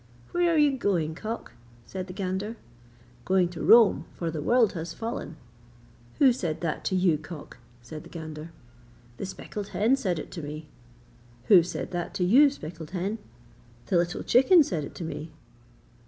'Where are you going, cock?' said the gander. 'Going to Rome, for the world has fallen.' 'Who said that to you, cock?' said the gander. 'The speckled hen said it to me.' 'Who said that to you, speckled hen?' 'The little chicken said it to me.'